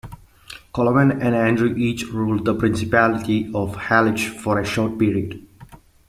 Coloman and Andrew each ruled the Principality of Halych for a short period.